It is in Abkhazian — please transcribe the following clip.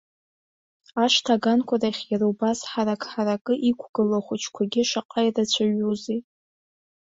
Ашҭа аганқәа рахь иара убас ҳарак-ҳаракы иқәгылоу ахәыҷқәагьы шаҟа ирацәаҩузеи.